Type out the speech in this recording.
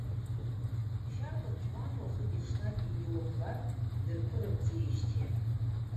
Шьарда ҵуан, уахыки ҽнаки илымбартә, дырԥырымҵижьҭеи.